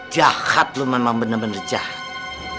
jahat lo memang bener bener jahat